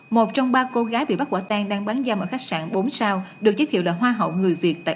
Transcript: một trong ba cô gái bị bắt quả tang đang bán râm ở khách sạn bốn sao được giới thiệu là hoa hậu người việt